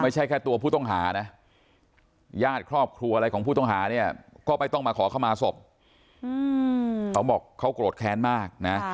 เจ้าบอกว่าเขากรดแค้นมากนะ